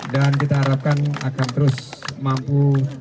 dan kita harapkan akan terus mampu